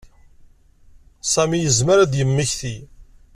Sami yezmer ad d-yemmeki.